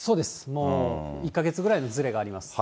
もう１か月ぐらいのずれがあります。